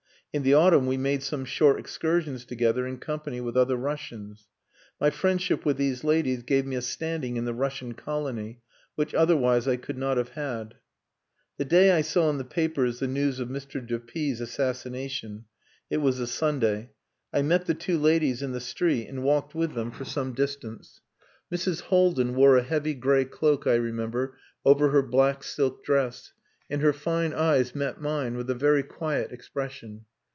In the autumn we made some short excursions together in company with other Russians. My friendship with these ladies gave me a standing in the Russian colony which otherwise I could not have had. The day I saw in the papers the news of Mr. de P 's assassination it was a Sunday I met the two ladies in the street and walked with them for some distance. Mrs. Haldin wore a heavy grey cloak, I remember, over her black silk dress, and her fine eyes met mine with a very quiet expression.